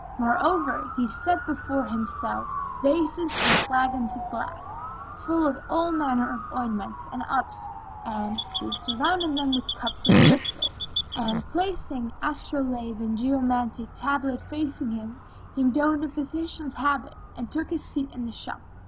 Moreover, he set before himself vases and flagons of glass full of all manner of ointments and ups, and he surrounded them with cups of crystal—and, placing astrolabe and geomantic tablet facing him, he donned a physician's habit and took his seat in the shop.